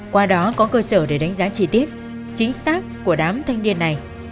qua đó có cơ sở để đánh giá chi tiết chính xác của đám thanh niên này